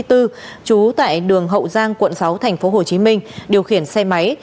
trú tại đường hậu giang quận sáu thành phố hồ chí minh điều khiển xe máy